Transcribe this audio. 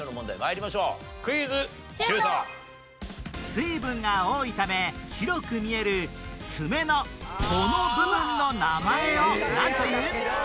水分が多いため白く見える爪のこの部分の名前をなんという？